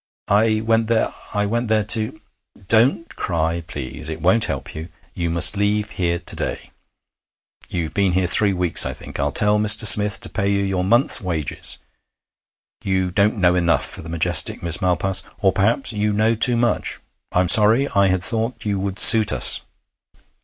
'I went there I went there to ' 'Don't cry, please, it won't help you. You must leave here to day. You've been here three weeks, I think. I'll tell Mr. Smith to pay you your month's wages. You don't know enough for the Majestic, Miss Malpas. Or perhaps you know too much. I'm sorry. I had thought you would suit us.